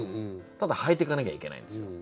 ただ履いていかなきゃいけないんですよ。